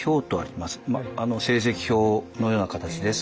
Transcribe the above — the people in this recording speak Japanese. まあ成績表のような形です。